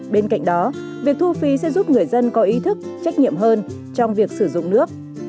bên cạnh đó việc thu phí sẽ giúp người dân có ý thức trách nhiệm hơn trong việc sử dụng nước